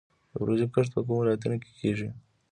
د وریجو کښت په کومو ولایتونو کې کیږي؟